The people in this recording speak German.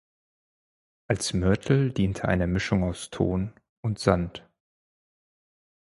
Als Mörtel diente eine Mischung aus Ton und Sand.